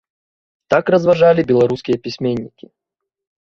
Так разважалі беларускія пісьменнікі.